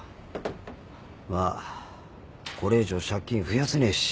まあこれ以上借金増やせねえし